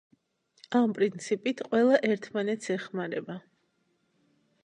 ამ პრინციპით ყველა ერთმანეთს ეხმარება.